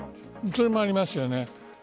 それもありますよね。